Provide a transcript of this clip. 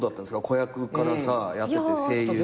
子役からやってて声優に。